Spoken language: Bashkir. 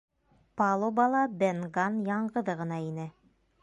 Палубала Бен Ганн яңғыҙы ғына ине.